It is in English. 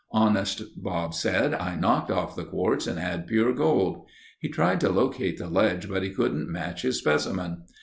"Honest," Bob said, "I knocked off the quartz and had pure gold." He tried to locate the ledge but he couldn't match his specimen.